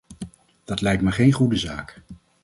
Dat lijkt me geen goede zaak.